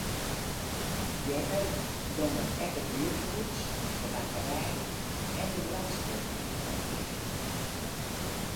Earder gongen ek it buerthûs, de bakkerij en de boartersguodwinkel al ticht.